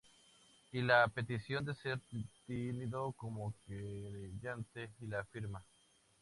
Y la petición de ser tenido como querellante y la firma.